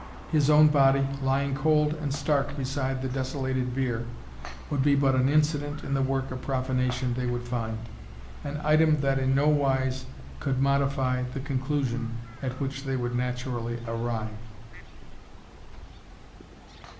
His own body, lying cold and stark beside the desolated bier, would be but an incident in the work of profanation they would find; an item that in no wise could modify the conclusion at which they would naturally arrive.